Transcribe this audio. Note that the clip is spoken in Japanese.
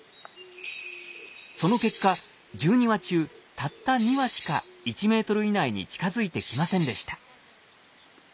その結果１２羽中たった２羽しか１メートル以内に近づいてきませんでした。